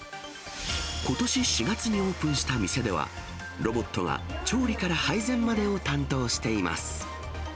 ことし４月にオープンした店では、ロボットが調理から配膳までを担当しています。